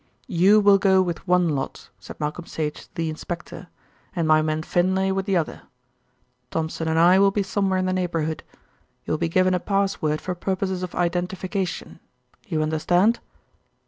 "You will go with one lot," said Malcolm Sage to the inspector, "and my man Finlay with the other. Thompson and I will be somewhere in the neighbourhood. You will be given a pass word for purposes of identification. You understand?"